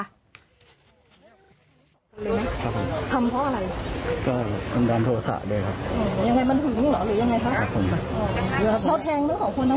อะไรมันมากหลายที่นี่หรอหรือยังไง